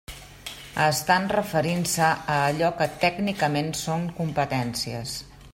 Estan referint-se a allò que tècnicament són competències.